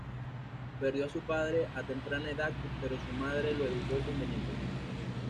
Perdió a su padre a temprana edad pero su madre lo educó convenientemente.